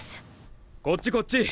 こっちこっち！